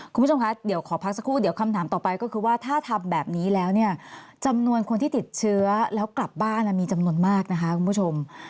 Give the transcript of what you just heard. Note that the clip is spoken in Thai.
คุณผู้ชมคะเดี๋ยวขอพักสักครู่เดี๋ยวคำถามต่อไปก็คือว่าถ้าทำแบบนี้แล้วเนี่ยจำนวนคนที่ติดเชื้อแล้วกลับบ้านมีจำนวนมากนะคะคุณผู้ชม